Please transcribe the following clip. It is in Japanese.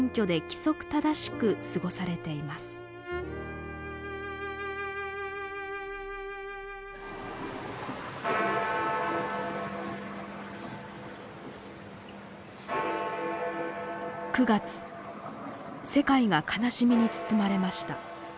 世界が悲しみに包まれました。